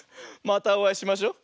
またおあいしましょう。